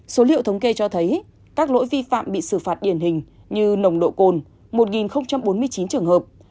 số liệu thống kê cho thấy các lỗi vi phạm bị xử phạt điển hình như nồng độ cồn một bốn mươi chín trường hợp